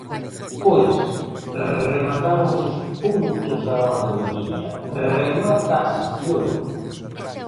Pois, rematados os puntos da orde do día, remata a sesión.